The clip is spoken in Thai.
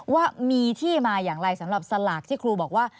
ว่ามีที่มาอย่างไรสำหรับสลากที่ครูบอกว่า